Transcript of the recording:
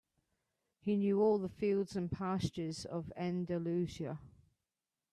He knew all the fields and pastures of Andalusia.